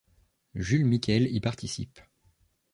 Jules Miquel y participe.